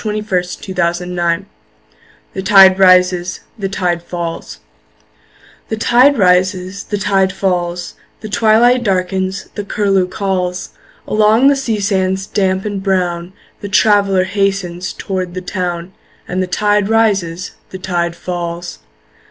Henry Wadsworth Longfellow The Tide Rises, The Tide Falls THE tide rises, the tide falls, The twilight darkens, the curlew calls; Along the sea sands damp and brown The traveller hastens toward the town And the tide rises, the tide falls.